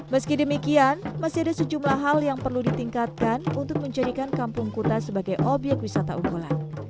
meski demikian masih ada sejumlah hal yang perlu ditingkatkan untuk menjadikan kampung kuta sebagai obyek wisata unggulan